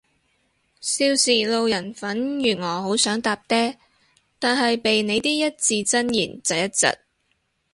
少時路人粉如我好想搭嗲，但係被你啲一字真言疾一疾